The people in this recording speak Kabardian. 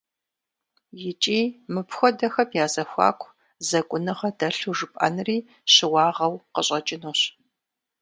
Икӏи мыпхуэдэхэм я зэхуаку зэкӏуныгъэ дэлъу жыпӏэнри щыуагъэу къыщӏэкӏынущ.